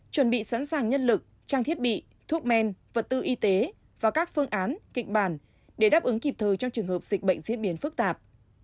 chuẩn bị sẵn sàng nhân lực trang thiết bị thuốc men vật tư y tế và các phương án kịch bản để đáp ứng kịp thời trong trường hợp dịch bệnh diễn biến phức tạp